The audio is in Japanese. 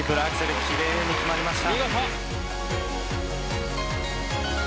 きれいに決まりました。